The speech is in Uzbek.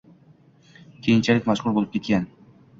keyinchalik mashhur bo‘lib ketgan